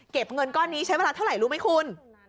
เงินก้อนนี้ใช้เวลาเท่าไหร่รู้ไหมคุณ